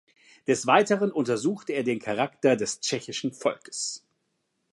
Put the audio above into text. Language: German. Des Weiteren untersuchte er den Charakter des tschechischen Volkes.